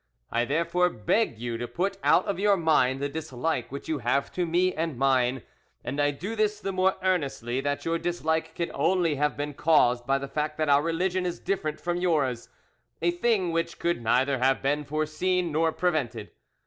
I therefore beg you to put out of your mind the dislike which you have to me and mine, and I do this the more earnestly that your dislike can only have been caused by the fact that our religion is different from yours—a thing which could neither have been foreseen nor prevented.